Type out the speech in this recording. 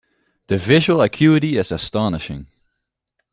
The visual acuity is astonishing.